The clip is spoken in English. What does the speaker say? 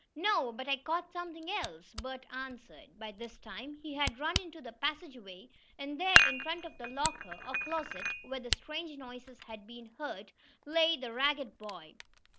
"No, but I caught something else," Bert answered. By this time he had run into the passageway, and there, in front of the locker, or closet, where the strange noises had been heard, lay the ragged boy.